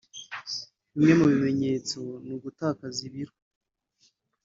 Bimwe mu bimenyetso ni ugutakaza ibiro